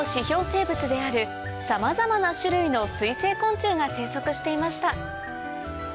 生物であるさまざまな種類の水生昆虫が生息していました